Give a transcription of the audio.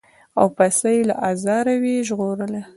او پسه یې له آزاره وي ژغورلی